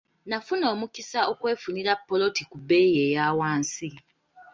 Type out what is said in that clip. Nafuna omukisa okwefunira ppoloti ku bbeeyi eya wansi.